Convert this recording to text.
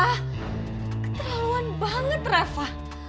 keterlaluan banget reva